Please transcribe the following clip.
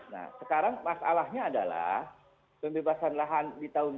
nah sekarang masalahnya adalah pembebasan lahan di mana